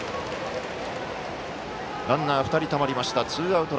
ランナー、２人たまりました。